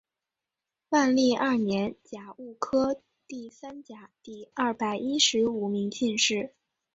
万历二年甲戌科第三甲第二百一十五名进士。